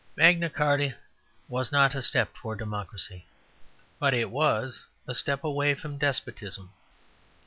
Magna Carta was not a step towards democracy, but it was a step away from despotism.